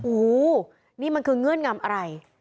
โอ้โหนี่มันคือเงื่อนงำอะไร